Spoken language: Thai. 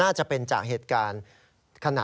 น่าจะเป็นจากเหตุการณ์ขณะ